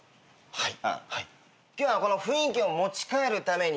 はい。